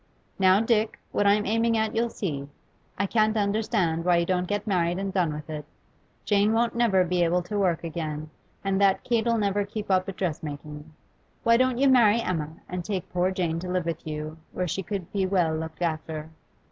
Now, Dick, what I'm aiming at you'll see. I can't understand why you don't get married and done with it. Jane won't never be able to work again, and that Kate 'll never keep up a dressmaking. Why don't you marry Emma, and take poor Jane to live with you, where she could be well looked after?